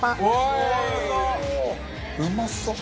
うまそう！